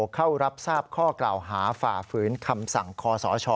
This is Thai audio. เข้ารับทราบข้อกล่าวหาฝ่าฝืนคำสั่งคอสช